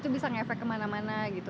itu bisa ngefek kemana mana gitu